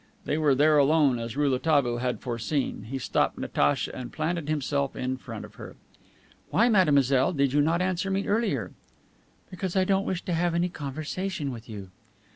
They were there alone, as Rouletabille had foreseen. He stopped Natacha and planted himself in front of her. "Why, mademoiselle, did you not answer me earlier?" "Because I don't wish to have any conversation with you."